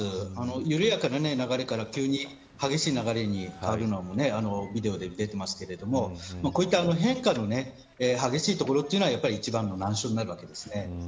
緩やかな流れから急に激しい流れになるのもビデオで出てますけれどこういった変化の激しい所はやっぱり一番の難所になるわけです。